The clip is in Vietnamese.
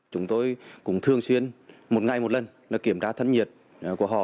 chúng tôi cũng thường xuyên một ngày một lần kiểm tra thân nhiệt của họ